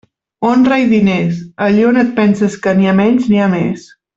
Honra i diners, allí on et penses que n'hi ha menys n'hi ha més.